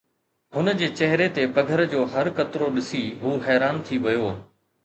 هن جي چهري تي پگهر جو هر قطرو ڏسي هو حيران ٿي ويو